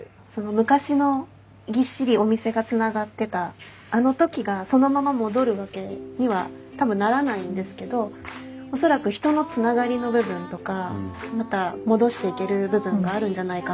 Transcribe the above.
昔のぎっしりお店がつながってたあの時がそのまま戻るわけには多分ならないんですけど恐らく人のつながりの部分とかまた戻していける部分があるんじゃないかなと思っていて。